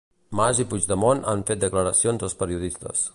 Mas i Puigdemont han fet declaracions als periodistes.